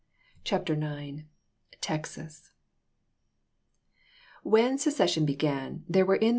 CHAPTER IX TEXAS WHEN secession began, there were in the ohap.